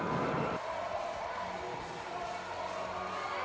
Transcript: สวัสดีทุกคน